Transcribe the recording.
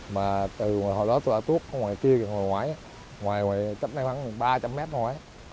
mà từ hồi đó tôi đã tuốt ở ngoài kia ngoài ngoãi chấp năng khoảng ba trăm linh m ngoãi